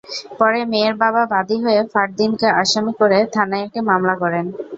পরে মেয়ের বাবা বাদী হয়ে ফারদীনকে আসামি করে থানায় একটি মামলা করেন।